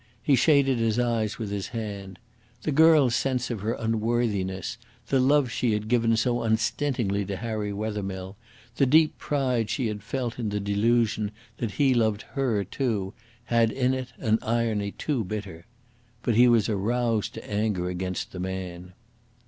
He shaded his eyes with his hand. The girl's sense of her unworthiness, the love she had given so unstintingly to Harry Wethermill, the deep pride she had felt in the delusion that he loved her too, had in it an irony too bitter. But he was aroused to anger against the man.